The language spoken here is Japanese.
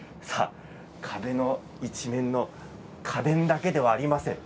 壁の一面の家電だけではありません。